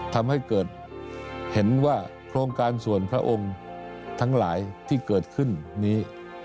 ทำให้เกิดเห็นว่าโครงการส่วนพระองค์ทั้งหลายที่เกิดขึ้นนี้